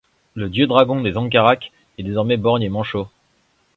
Le Dieu Dragon des Angaraks est désormais borgne et manchot.